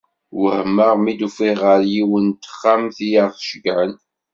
Wehmeɣ mi d-ufiɣ ɣer yiwet n texxamt i aɣ-ceggɛen.